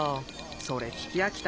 それ聞き飽きた。